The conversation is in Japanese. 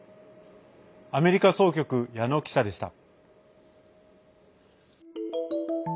アメリカ総局、矢野記者でした。